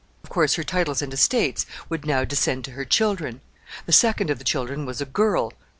Of course, her titles and estates would now descend to her children. The second of the children was a girl.